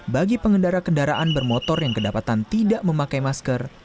bagi pengendara kendaraan bermotor yang kedapatan tidak memakai masker